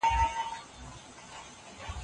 آیا تاسو په خپل کور کې د غږیزو افزارو څخه کار اخلئ؟